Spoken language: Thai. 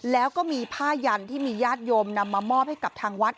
แล้วก็มีผ้ายันที่มีญาติโยมนำมามอบให้กับทางวัด